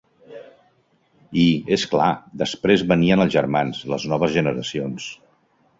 I, és clar, després venien els germans, les noves generacions.